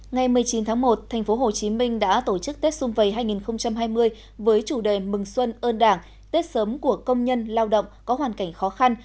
ngày một mươi chín tháng một tp hcm đã tổ chức tết xuân vầy hai nghìn hai mươi với chủ đề mừng xuân ơn đảng tết sớm của công nhân lao động có hoàn cảnh khó khăn